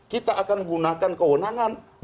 kita akan gunakan kewenangan